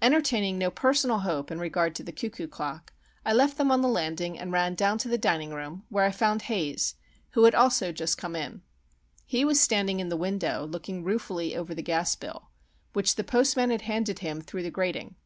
Entertaining no personal hope in regard to the cuckoo clock, I left them on the landing and ran down to the dining room, where I found Haze, who had also just come in. He was standing in the window, looking ruefully over the gas bill, which the postman had handed him through the grating.